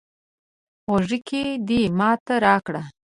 غوږيکې دې ماته راکړه